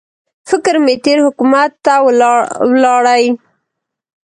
فکر مې تېر حکومت ته ولاړی.